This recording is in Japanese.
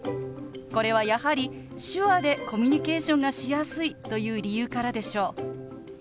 これはやはり手話でコミュニケーションがしやすいという理由からでしょう。